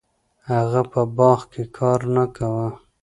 هغه په باغ کې کار نه کاوه.